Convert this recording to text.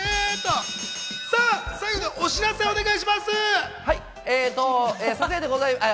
最後にお知らせお願いします。